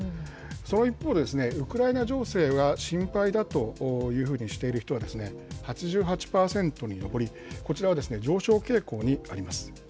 その一方でウクライナ情勢が心配だというふうにしている人は、８８％に上り、こちらは上昇傾向にあります。